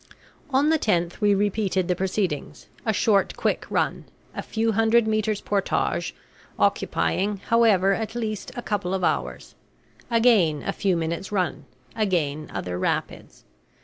On the 10th we repeated the proceedings: a short quick run; a few hundred metres' portage, occupying, however, at least a couple of hours; again a few minutes' run; again other rapids.